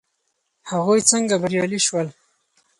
هغوی څنګه بریالي شول.